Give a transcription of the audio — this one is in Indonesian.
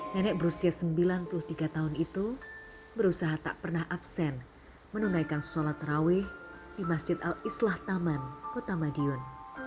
nenek berusia sembilan puluh tiga tahun itu berusaha tak pernah absen menunaikan sholat terawih di masjid al islah taman kota madiun